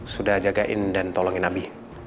sudah jagain dan tolongin nabi